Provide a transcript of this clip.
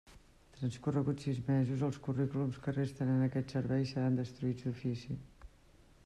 Transcorreguts sis mesos, els currículums que resten en aquest Servei seran destruïts d'ofici.